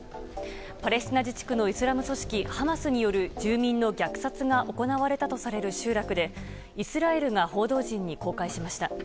パレスチナ自治区のイスラム組織ハマスによる住民の虐殺が行われたとされる集落でイスラエルが報道陣に公開しました。